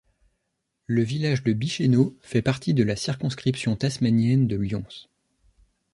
Le village de Bicheno fait partie de la circonscription tasmanienne de Lyons.